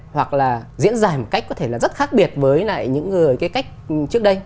hoặc là diễn dài một cách có thể là rất khác biệt với lại những người cái cách trước đây